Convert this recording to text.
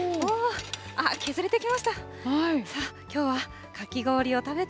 削れてきました。